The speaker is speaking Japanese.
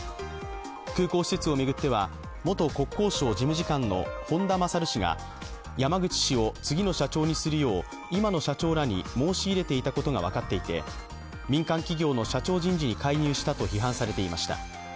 空港施設を巡っては、元国交省事務次官の本田勝氏が山口氏を次の社長にするよう、今の社長らに申し入れていたことが分かっていて民間企業の社長人事に介入したと批判されていました。